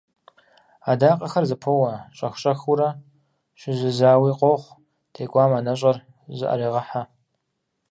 Адакъэхэр зэпоуэ, щӀэх-щӀэхыурэ щызэзауи къохъу, текӀуам анэщӀэр зыӀэрегъэхьэ.